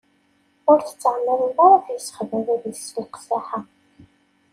Ur tettɛemmideḍ ara ad t-issexdem bab-is s leqsaḥa.